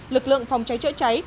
lực lượng phòng cháy chữa cháy